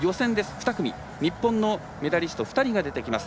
２組、日本のメダリスト２人が出てきます。